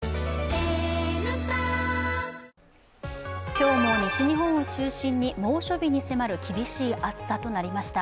今日も西日本を中心に猛暑日に迫る厳しい暑さとなりました。